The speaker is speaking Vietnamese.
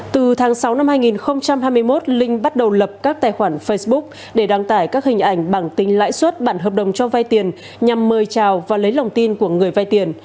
từ tháng sáu năm hai nghìn hai mươi một linh bắt đầu lập các tài khoản facebook để đăng tải các hình ảnh bằng tính lãi suất bản hợp đồng cho vai tiền nhằm mời chào và lấy lòng tin của người vay tiền